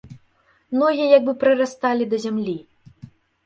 Ногі як бы прырасталі да зямлі.